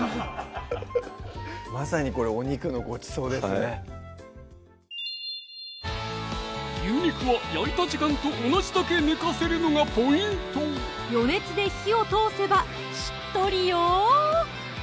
まさにこれ「お肉のごちそう」ですね牛肉は焼いた時間と同じだけ寝かせるのがポイント余熱で火を通せばしっとりよ！